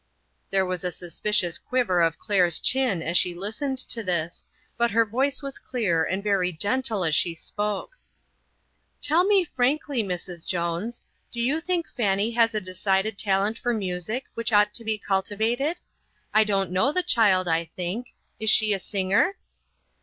There was a suspicious quiver of Claire's chin as she listened to this, but her voice was clear and very gentle as she spoke : "Tell me frankly, Mrs. Jones, do you think Fanny has a decided talent for music, which ought to be cultivated ? I don't know the child, I think. Is she a singer?"